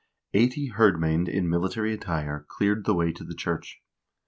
Eighty kirdmamd in military attire cleared the way to the church.